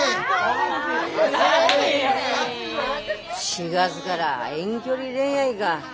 ４月がら遠距離恋愛が。